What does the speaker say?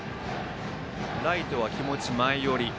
ライトは気持ち前寄り。